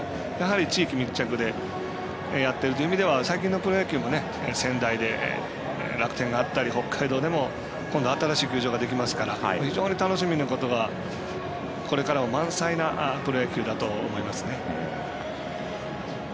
地域密着でやってるという意味では最近のプロ野球は仙台で楽天があったり北海道でも新しい球場できますから楽しみなことがこれからも満載なプロ野球だと思います。